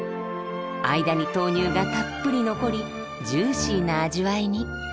間に豆乳がたっぷり残りジューシーな味わいに。